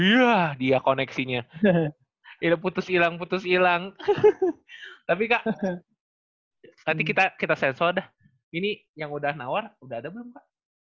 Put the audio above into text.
iya dia koneksinya udah putus hilang putus hilang tapi kak nanti kita sensor dah ini yang udah nawar udah ada belum kak